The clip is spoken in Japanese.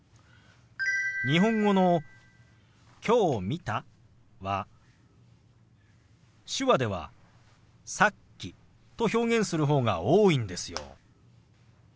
日本語の「きょう見た」は手話では「さっき」と表現する方が多いんですよ。